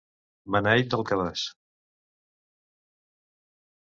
Beneit del cabàs.